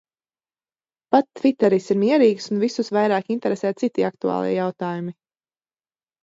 Pat tviteris ir mierīgs un visus vairāk interesē citi aktuālie jautājumi.